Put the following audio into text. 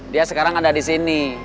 dia sekarang ada di sini